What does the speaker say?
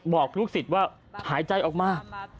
บอกลูกศิษย์ว่าหายใจออกมา